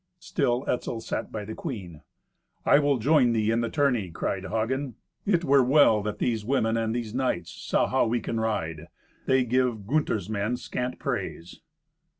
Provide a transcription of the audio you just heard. Still Etzel sat by the queen. "I will join thee in the tourney," cried Hagen. "It were well that these women and these knights saw how we can ride. They give Gunther's men scant praise."